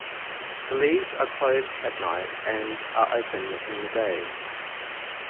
The leaves are closed at night and are open in the day.